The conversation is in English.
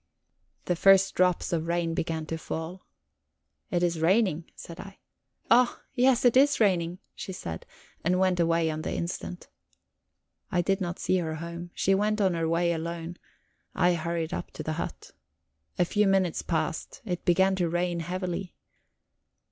The first drops of rain began to fall. "It is raining," said I. "Oh! Yes, it is raining," she said, and went away on the instant. I did not see her home; she went on her way alone; I hurried up to the hut. A few minutes passed. It began to rain heavily.